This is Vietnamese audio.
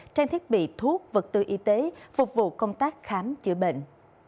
trang thiết bị thuốc vật tư y tế phục vụ công tác khám chữa bệnh